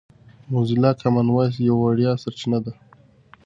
موزیلا کامن وایس یوه وړیا سرچینه ده.